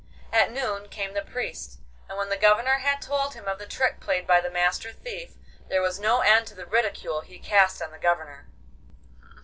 At noon came the Priest, and when the Governor had told him of the trick played by the Master Thief there was no end to the ridicule he cast on the Governor.